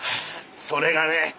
それがね